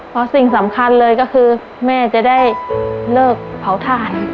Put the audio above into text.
เพราะสิ่งสำคัญเลยก็คือแม่จะได้เลิกเผาถ่าน